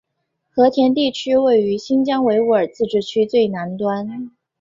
和田地区位于新疆维吾尔自治区最南端。